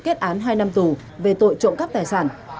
kết án hai năm tù về tội trộm cắp tài sản